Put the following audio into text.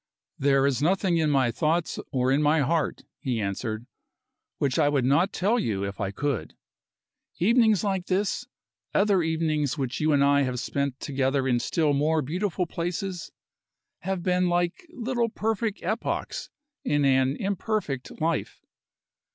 "There is nothing in my thoughts or in my heart," he answered, "which I would not tell you if I could. Evenings like this, other evenings which you and I have spent together in still more beautiful places, have been like little perfect epochs in an imperfect life.